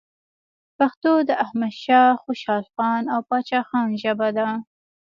پښتو د احمد شاه خوشحالخان او پاچا خان ژبه ده.